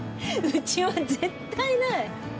うちは絶対ない！